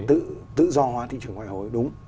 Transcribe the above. và tự do hóa thị trường ngoại hối đúng